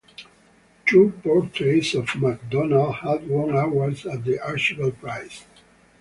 Two portraits of McDonald have won awards at the Archibald Prize.